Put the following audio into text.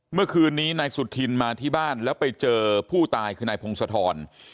เมื่อคืนนี้นายสุธินมาที่บ้านแล้วไปเจอผู้ตายคือนายพงศธร